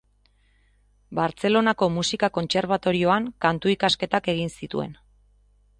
Bartzelonako Musika Kontserbatorioan kantu-ikasketak egin zituen.